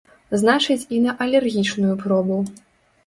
Значыць, і на алергічную пробу.